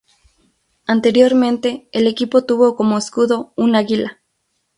Anteriormente, el equipo tuvo como escudo un águila.